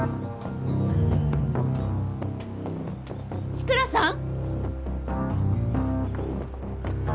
志倉さん！